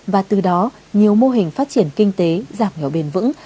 và từ đó nhiều mô hình phát triển kinh tế giảm nghèo bền vững